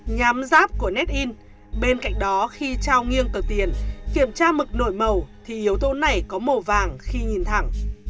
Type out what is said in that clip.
nhám giáp của nét in bên cạnh đó khi trao nghiêng tờ tiền kiểm tra mực nổi màu thì yếu tố này có màu vàng khi nhìn thẳng